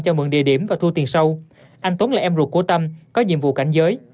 cho mượn địa điểm và thu tiền sâu anh tuấn là em ruột của tâm có nhiệm vụ cảnh giới